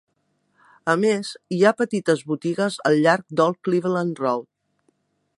A més, hi ha petites botigues al llarg d'Old Cleveland Road.